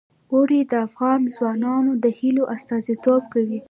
اوړي د افغان ځوانانو د هیلو استازیتوب کوي.